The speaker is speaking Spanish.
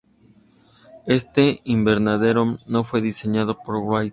Este invernadero no fue diseñado por Wright.